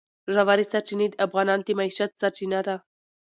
ژورې سرچینې د افغانانو د معیشت سرچینه ده.